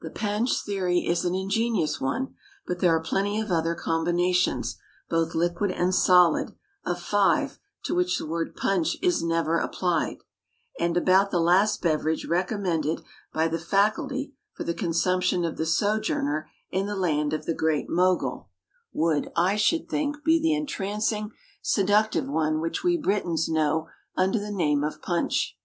The panch theory is an ingenious one, but there are plenty of other combinations (both liquid and solid) of five to which the word punch is never applied; and about the last beverage recommended by the faculty for the consumption of the sojourner in the land of the Great Mogul, would, I should think, be the entrancing, seductive one which we Britons know under the name of punch.